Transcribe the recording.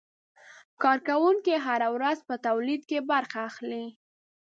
کارکوونکي هره ورځ په تولید کې برخه اخلي.